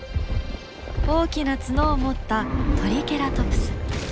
大きな角を持ったトリケラトプス。